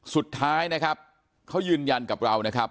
สุดท้ายนะครับเขายืนยันกับเรานะครับ